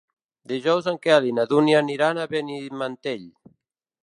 Dijous en Quel i na Dúnia aniran a Benimantell.